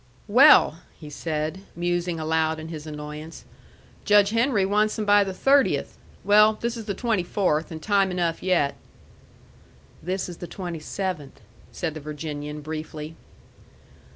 "Well," he said, musing aloud in his annoyance, "Judge Henry wants them by the 30th. Well, this is the 24th, and time enough yet." "This is the 27th," said the Virginian, briefly.